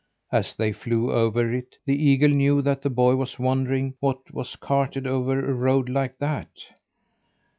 As they flew over it the eagle knew that the boy was wondering what was carted over a road like that.